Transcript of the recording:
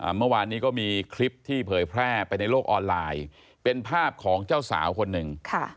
เมื่อวานนี้ก็มีคลิปที่เผยแพร่ไปในโลกออนไลน์เป็นภาพของเจ้าสาวคนหนึ่ง